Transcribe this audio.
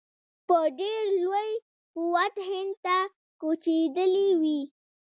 په ډېر لوی قوت هند ته کوچېدلي وي.